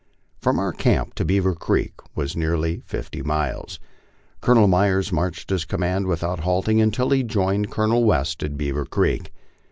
From our camp to Beaver Creek was nearly fifty miles. Colonel Myers marched his command without halting until he joined Colonel West at Beaver Creek.